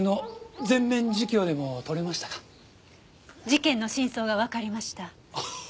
事件の真相がわかりました。